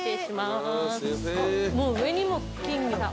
もう上にも金魚。